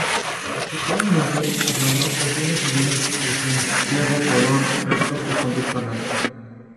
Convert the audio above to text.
Estructuralmente hablando posee las siguientes porciones: ciego, colon, recto y conducto anal.